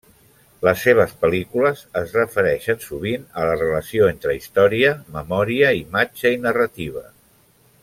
Les seves pel·lícules es refereixen sovint a la relació entre història, memòria, imatge i narrativa.